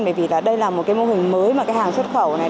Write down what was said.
bởi vì đây là một mô hình mới mà hàng xuất khẩu này